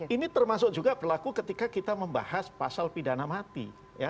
ini termasuk juga berlaku ketika kita membahas pasal pidana mati